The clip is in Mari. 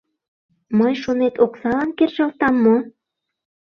— Мый, шонет, оксалан кержалтам мо?